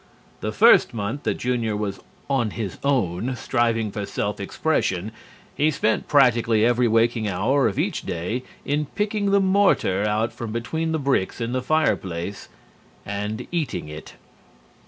The first month that Junior was "on his own," striving for self expression, he spent practically every waking hour of each day in picking the mortar out from between the bricks in the fire place and eating it.